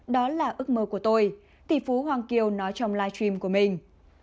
đó là ước mơ của tôi tỷ phú hoàng kiều nói trong live stream của mình